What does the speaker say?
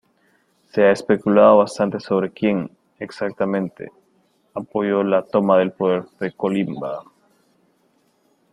Se ha especulado bastante sobre quien, exactamente, apoyó la toma del poder de Kolingba.